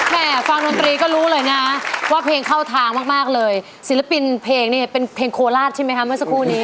ฟังดนตรีก็รู้เลยนะว่าเพลงเข้าทางมากมากเลยศิลปินเพลงนี่เป็นเพลงโคราชใช่ไหมคะเมื่อสักครู่นี้